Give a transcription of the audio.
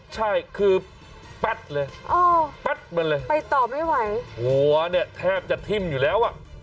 ใช่คือแป๊ดเลยแป๊ดมาเลยไปต่อไม่ไหวหัวเนี่ยแทบจะทิ้มอยู่แล้วอ่ะ